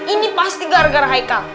ini pasti gara gara haikal